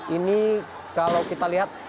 ini kalau kita lihat